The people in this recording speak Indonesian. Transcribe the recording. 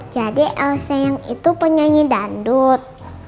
jadi elsa yang itu penyanyi dandut